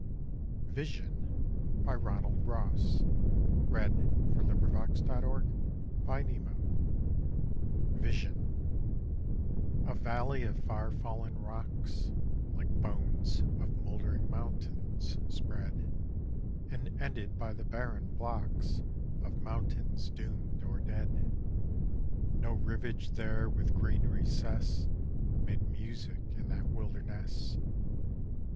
heart shrivels and the spirit rots. Madras, 1890. VISION A valley of far fallen rocks, Like bones of mouldering mountains, spread, And ended by the barren blocks Of mountains doom'd or dead: No rivage there with green recess Made music in that wilderness.